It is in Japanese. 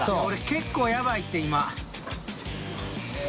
結構ヤバいって、今。